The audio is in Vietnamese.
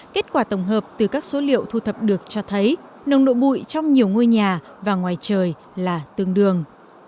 kết quả tổng hợp từ các số liệu thu thập được cho thấy nồng độ bụi trong nhiều ngôi nhà và ngoài trời là tương đương